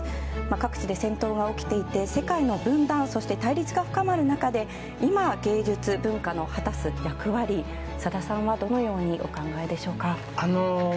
各地で戦闘が起きていて世界の分断そして対立が深まる中で今は芸術・文化が果たす役割さださんはどのようにお考えでしょうか。